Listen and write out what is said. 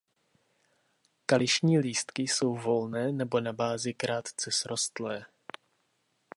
Kališní lístky jsou volné nebo na bázi krátce srostlé.